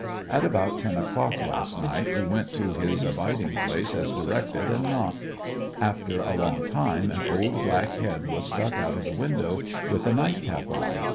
At about ten o'clock last night we went to his abiding place as directed and knocked. After a long time an old black head was stuck out of the window with a nightcap on.